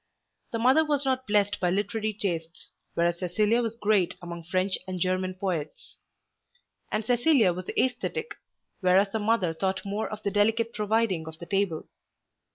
The mother was not blessed by literary tastes, whereas Cecilia was great among French and German poets. And Cecilia was æsthetic, whereas the mother thought more of the delicate providing of the table.